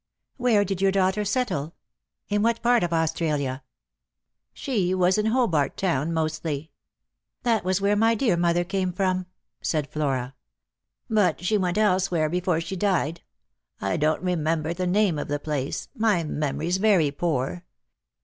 " Where did your daughter settle ? In what part of Aus tralia?" " She was in Hobart Town mostly." " That was where my dear mother came from," said Flora. " But she went elsewhere before she died. I don't remember the name of the place ; my memory's very poor.